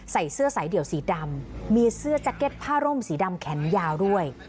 ใส่เสื้อสายเดี่ยวสีดำมีเสื้อแจ็คเก็ตผ้าร่มสีดำแขนยาวด้วย